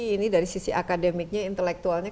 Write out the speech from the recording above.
ini dari sisi akademiknya intelektualnya